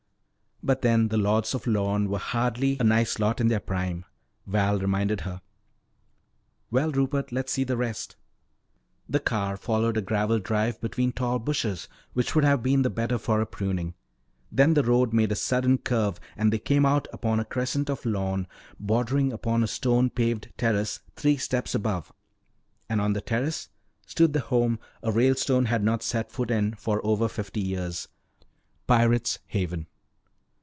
"But then the Lords of Lorne were hardly a nice lot in their prime," Val reminded her. "Well, Rupert, let's see the rest." The car followed a graveled drive between tall bushes which would have been the better for a pruning. Then the road made a sudden curve and they came out upon a crescent of lawn bordering upon a stone paved terrace three steps above. And on the terrace stood the home a Ralestone had not set foot in for over fifty years Pirate's Haven.